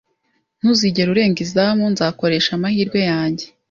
"Ntuzigera urenga izamu." "Nzakoresha amahirwe yanjye."